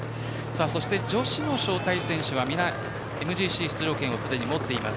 女子の招待選手はＭＧＣ出場権をみんな持っています。